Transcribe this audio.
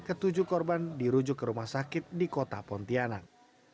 ketujuh korban dirujuk ke rumah sakit di kota pontianak